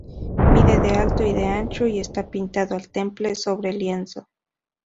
Mide de alto y de ancho, y está pintado al temple sobre lienzo.